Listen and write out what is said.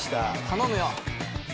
頼むよ。